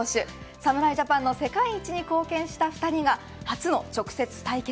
侍ジャパン世界一に貢献した２人が初の直接対決。